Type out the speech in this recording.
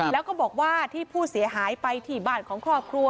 แล้วก็บอกว่าที่ผู้เสียหายไปที่บ้านของครอบครัว